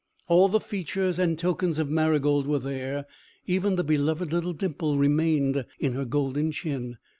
All the features and tokens of Marygold were there; even the beloved little dimple remained in her golden chin.